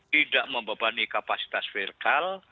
tidak membebani kapasitas firtal